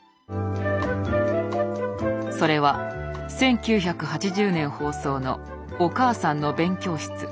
それは１９８０年放送の「おかあさんの勉強室」。